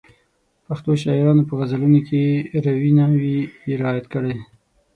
پښتو شاعرانو په غزلونو کې روي نه وي رعایت کړی.